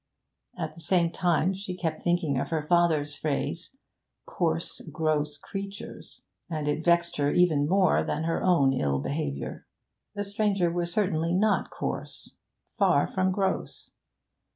At the same time she kept thinking of her father's phrase, 'coarse, gross creatures,' and it vexed her even more than her own ill behaviour. The stranger was certainly not coarse, far from gross.